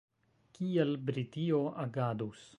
Kiel Britio agadus?